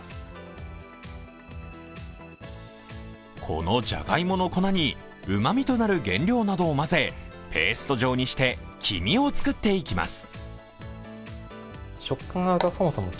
このじゃがいもの粉にうまみとなる原料などを混ぜ、ペースト状にして黄身を作っていきます。